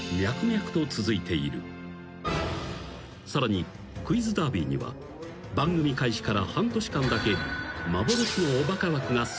［さらに『クイズダービー』には番組開始から半年間だけ幻のおバカ枠が存在していた］